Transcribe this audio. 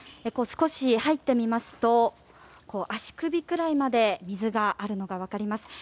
少し入ってみますと足首くらいまで水があるのが分かります。